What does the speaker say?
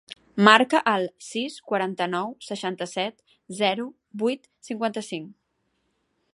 Marca el sis, quaranta-nou, seixanta-set, zero, vuit, cinquanta-cinc.